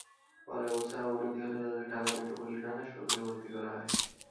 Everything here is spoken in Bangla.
পরে অবস্থার অবনতি হলে তাঁদের ঢাকা মেট্রোপলিটন হাসপাতালে ভর্তি করা হয়।